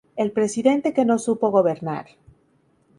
El presidente que no supo gobernar".